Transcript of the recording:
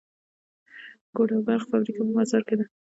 د کود او برق فابریکه په مزار کې ده